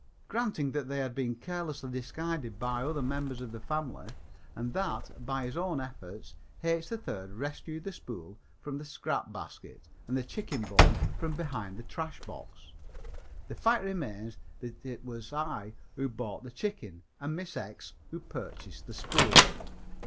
Granting that they had been carelessly discarded by other members of his family, and that, by his own efforts, H. 3rd rescued the spool from the scrapbasket and the chicken bone from behind the trash box, the fact remains that it was I who bought the chicken and Miss X who purchased the spool.